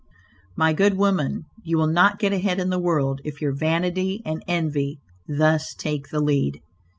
My good woman, you will not get ahead in the world, if your vanity and envy thus take the lead.